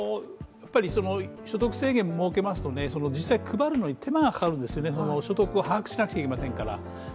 所得制限を設けますと、実際に配るのに手間がかかるんですよね、所得を把握しなくちゃいけませんから。